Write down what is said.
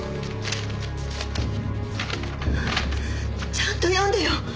ちゃんと読んでよ。